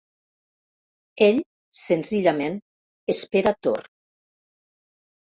Ell, senzillament, espera torn.